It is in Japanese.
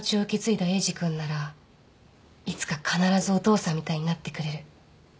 エイジ君ならいつか必ずお父さんみたいになってくれる。